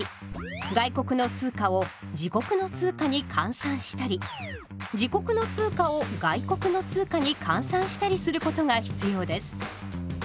外国の通貨を自国の通貨に換算したり自国の通貨を外国の通貨に換算したりすることが必要です。